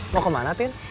mau kemana tin